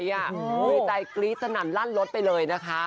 ในใจกรี๊ดสนั่นลั่นรถไปเลยนะคะ